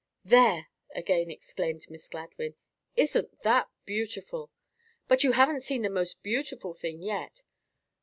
"There!" again exclaimed Miss Gladwyn; "isn't that beautiful? But you haven't seen the most beautiful thing yet.